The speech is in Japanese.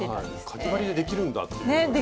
かぎ針でできるんだっていうのが。